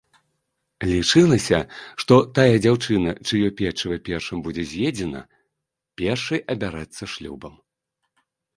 Лічылася, што тая дзяўчына, чыё печыва першым будзе з'едзена, першай абярэцца шлюбам.